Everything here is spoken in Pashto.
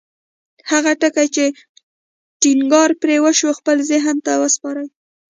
هغه ټکي چې ټينګار پرې وشو خپل ذهن ته وسپارئ.